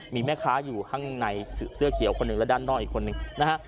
มีแม่ค้าอยู่ข้างในเสื้อเขียวคนหนึ่งและด้านนอกอีกคนนึงนะฮะ